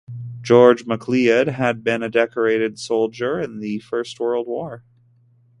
George MacLeod had been a decorated soldier in the First World War.